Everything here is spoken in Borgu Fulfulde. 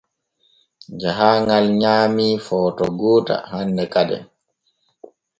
Jahaaŋal nyaamii footo goota hanne kaden.